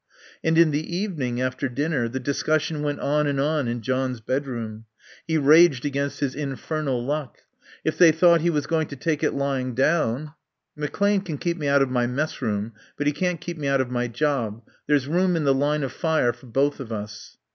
And in the evening, after dinner, the discussion went on and on in John's bedroom. He raged against his infernal luck. If they thought he was going to take it lying down "McClane can keep me out of my messroom, but he can't keep me out of my job. There's room in 'the line of fire' for both of us."